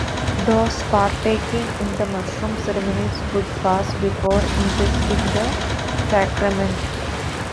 Those partaking in the mushroom ceremonies would fast before ingesting the sacrament.